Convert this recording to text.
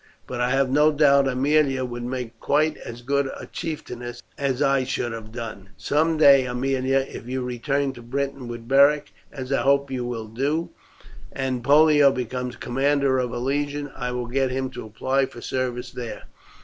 But I have no doubt Aemilia would make quite as good a chieftainess as I should have done. Some day, Aemilia, if you return to Britain with Beric, as I hope you will do, and Pollio becomes a commander of a legion, I will get him to apply for service there.